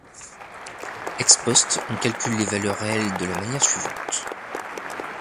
Ex post, on calcule les valeurs réelles de la manière suivante.